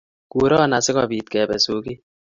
Kuron asikopit kepe soget